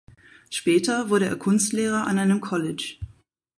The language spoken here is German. Später wurde er Kunstlehrer an einem College.